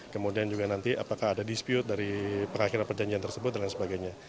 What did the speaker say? kemudian juga nanti apakah ada dispute dari pengakhiran perjanjian tersebut dan lain sebagainya